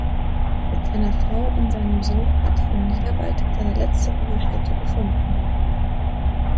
Mit seiner Frau und seinem Sohn hat er in Niederwald seine letzte Ruhestätte gefunden.